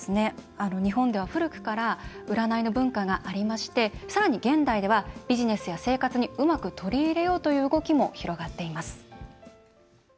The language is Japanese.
日本では古くから占いの文化がありましてさらに現代ではビジネスや生活にうまく取り入れようという動きも広がっています。